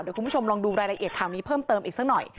เดี๋ยวคุณผู้ชมลองดูรายละเอียดข่าวนี้เพิ่มเติมอีกสักหน่อย